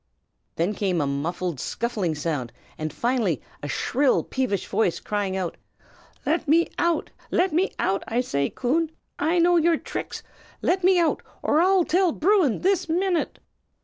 Then came a muffled, scuffling sound, and finally a shrill peevish voice cried, "Let me out! let me out, I say! Coon, I know your tricks; let me out, or I'll tell Bruin this minute!"